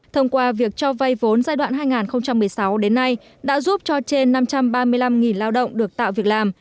thông qua việc cho vay vốn giai đoạn hai nghìn một mươi sáu đến nay đã giúp cho trên năm trăm ba mươi năm lao động được tạo việc làm